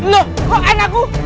loh kok anakku